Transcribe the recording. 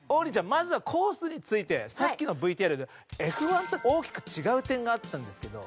まずはコースについてさっきのＶＴＲでＦ１と大きく違う点があったんですけど。